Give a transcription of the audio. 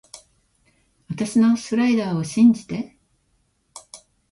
あたしのスライダーを信じて